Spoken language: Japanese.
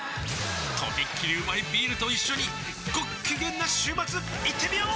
とびっきりうまいビールと一緒にごっきげんな週末いってみよー！